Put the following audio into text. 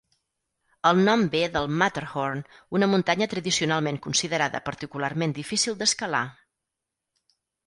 El nom ve del Matterhorn, una muntanya tradicionalment considerada particularment difícil d'escalar.